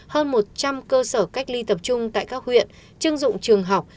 hơn một trăm linh cơ sở cách ly tập trung tại các huyện chưng dụng trường học